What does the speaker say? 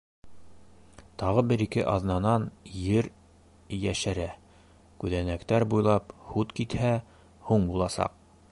Тағы бер-ике аҙнанан ер йәшәрә, күҙәнәктәр буйлап һут китһә, һуң буласаҡ.